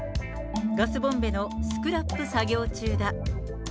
ガスボンベのスクラップ作業中だ。